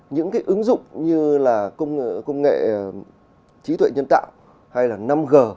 những cái ứng dụng như là công nghệ trí tuệ nhân tạo hay là năm g